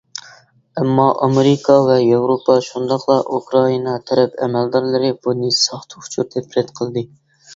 ئەمما ئامېرىكا ۋە ياۋروپا شۇنداقلا ئۇكرائىنا تەرەپ ئەمەلدارلىرى بۇنى ساختا ئۇچۇر دەپ رەت قىلدى.